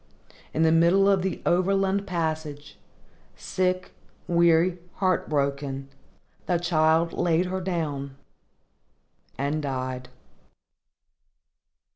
In the middle of the overland passage, sick, weary, heart broken, the child laid her down and died.